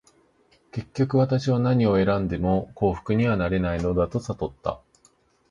結局、私は何を選んでも幸福にはなれないのだと悟った。